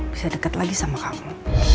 bisa dekat lagi sama kamu